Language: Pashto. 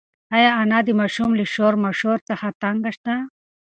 ایا انا د ماشوم له شور ماشور څخه تنگه ده؟